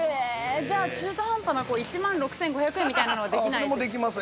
じゃあ、中途半端な１万６５００円みたいなのはできない？